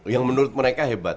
yang menurut mereka hebat